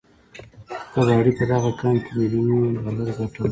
کباړي په دغه کان کې ميليونونه ډالر ګټه وكړه.